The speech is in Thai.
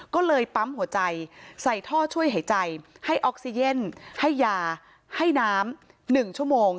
ก็เลยปั๊มหัวใจใส่ท่อช่วยหายใจให้ออกซิเจนให้ยาให้น้ำ๑ชั่วโมง